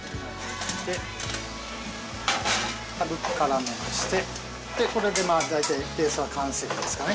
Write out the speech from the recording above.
で軽く絡めましてでこれで大体ベースは完成ですかね。